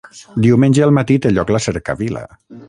Diumenge al matí té lloc la cercavila.